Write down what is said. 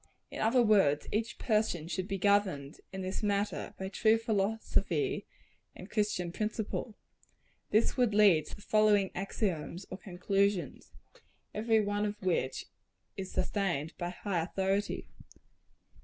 In other words, every person should be governed, in this matter, by true philosophy and Christian principle. This would lead to the following axioms or conclusions, every one of which is sustained by high authority.